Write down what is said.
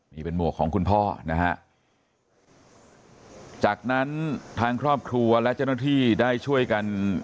นี่เป็นหมวกของคุณพ่อนะฮะจากนั้นทางครอบครัวและเจ้าหน้าที่ได้ช่วยกัน